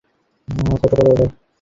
কত টাকা চাও?